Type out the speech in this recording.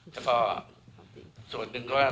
แล้วก็ส่วนหนึ่งก็ว่า